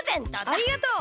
ありがとう。